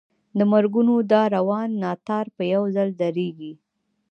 د مرګونو دا روان ناتار به یو ځل درېږي.